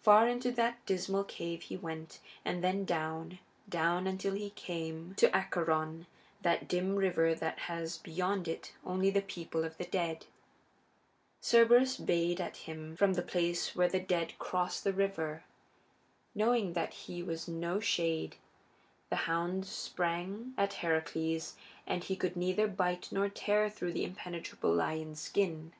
Far into that dismal cave he went, and then down, down, until he came to Acheron, that dim river that has beyond it only the people of the dead. Cerberus bayed at him from the place where the dead cross the river. Knowing that he was no shade, the hound sprang at Heracles, but he could neither bite nor tear through that impenetrable lion's skin.